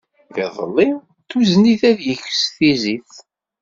Iḍelli, tuzen-it ad yeks tizit.